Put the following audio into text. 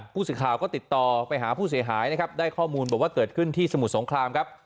ผู้สื่อข่าวก็ติดต่อไปหาผู้เสียหายนะครับได้ข้อมูลบอกว่าเกิดขึ้นที่สมุทรสงครามครับ